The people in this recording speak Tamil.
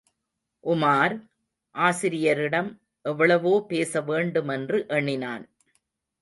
உமார், ஆசிரியரிடம் எவ்வளவோ பேச வேண்டுமென்று எண்ணினான்.